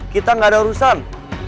kita gak ada urusan